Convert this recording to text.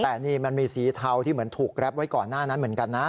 แต่นี่มันมีสีเทาที่เหมือนถูกแรปไว้ก่อนหน้านั้นเหมือนกันนะ